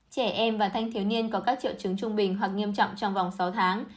trẻ em và thanh thiếu niên có các triệu chứng trung bình hoặc nghiêm trọng trong vòng sáu tháng